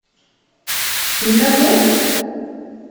Yella Tom?